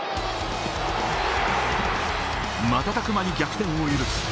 瞬く間に逆転を許す。